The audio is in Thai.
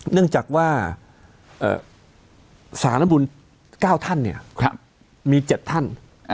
เนื่องจากว่าสารบุญ๙ท่านมี๗ท่าน